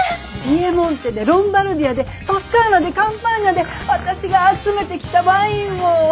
ピエモンテでロンバルディアでトスカーナでカンパーニャで私が集めてきたワインを。